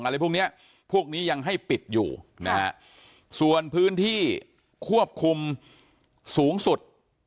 อะไรพวกเนี้ยพวกนี้ยังให้ปิดอยู่นะฮะส่วนพื้นที่ควบคุมสูงสุด